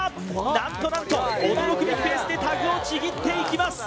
何と何と驚くべきペースでタグをちぎっていきます